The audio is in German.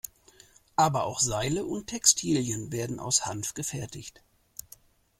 Aber auch Seile und Textilien werden aus Hanf gefertigt.